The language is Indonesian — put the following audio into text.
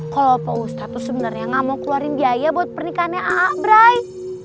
kalau opa ustad tuh sebenernya gak mau keluarin biaya buat pernikahannya aa brai